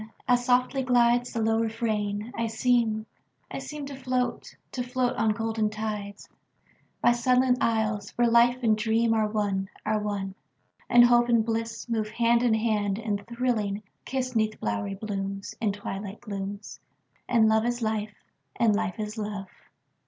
As softly glidesThe low refrain, I seem, I seemTo float, to float on golden tides, By sunlit isles, where life and dreamAre one, are one; and hope and blissMove hand in hand, and thrilling, kiss'Neath bowery blooms, In twilight glooms, And love is life, and life is love.